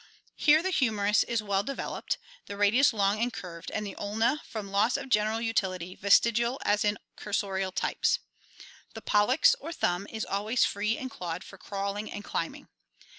Here the humerus is well developed, the radius long and curved, and the ulna, from loss of general utility, vestigial as in cursorial types. The pollex or thumb is always free and clawed for crawling and climbing.